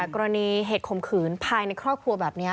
กรณีเหตุข่มขืนภายในครอบครัวแบบนี้